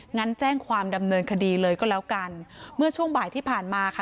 งั้นแจ้งความดำเนินคดีเลยก็แล้วกันเมื่อช่วงบ่ายที่ผ่านมาค่ะ